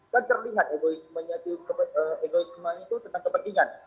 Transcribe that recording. kan terlihat egoisme itu tentang kepentingan